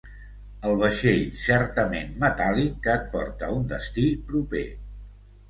El vaixell certament metàl·lic que et porta a un destí proper.